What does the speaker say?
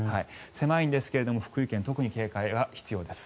狭いんですが福井県、特に警戒が必要です。